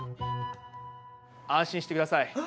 安心してください。